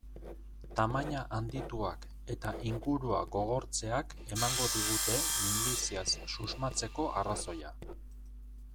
Tamaina handituak eta ingurua gogortzeak emango digute minbiziaz susmatzeko arrazoia.